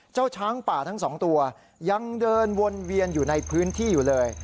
ช้างป่าทั้งสองตัวยังเดินวนเวียนอยู่ในพื้นที่อยู่เลย